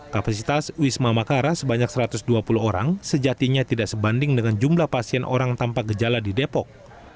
kapasitas wisma makara sebanyak satu ratus dua puluh orang sejatinya tidak sebanding dengan jumlah pasien orang tanpa gejala di depok